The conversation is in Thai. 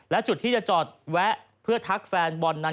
และจุดที่จะจอดแวะเพื่อทักแฟนบอลนั้น